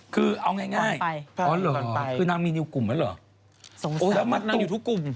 คือเอาง่ายอ๋อเหรอคือนางมีนิวกลุ่มแล้วเหรอแล้วมันต้องอยู่ทุกกลุ่ม